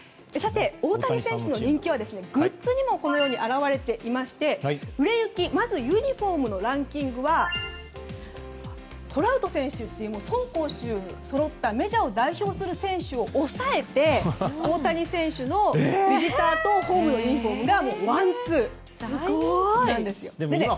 さて大谷選手の人気はグッズにも表れていまして売れ行き、まずユニホームのランキングはトラウト選手って走攻守そろったメジャーを代表する選手を抑えて、大谷選手のビジターとホームのユニホームがワンツーです。